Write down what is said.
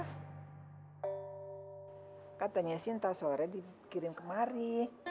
ah katanya sinta sore dikirim kemari